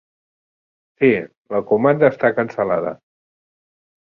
Sí, la comanda està cancel·lada.